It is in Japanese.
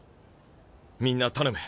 みんな頼む。